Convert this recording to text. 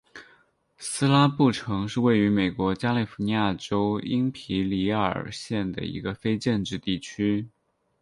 斯拉布城是位于美国加利福尼亚州因皮里尔县的一个非建制地区。